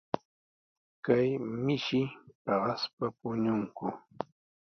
Kay mishi paqaspa puñunku.